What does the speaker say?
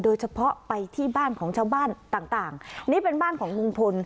โดยเฉพาะไปที่บ้านของชาวบ้านต่างต่างนี่เป็นบ้านของลุงพล